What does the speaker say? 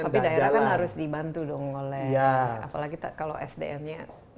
tapi daerah kan harus dibantu dong oleh apalagi kalau sdm nya